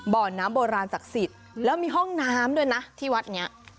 บ่อน้ำโบราณศักดิ์สิทธิ์แล้วมีห้องน้ำด้วยนะที่วัดนี้